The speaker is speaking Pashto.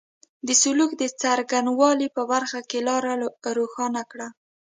د سلوک د څرنګه والي په برخه کې لاره روښانه کړه.